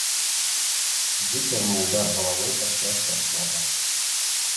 Выцягнуў удар галавой пасля штрафнога.